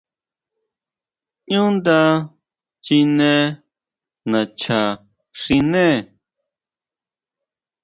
ʼÑú nda chine nacha xiné.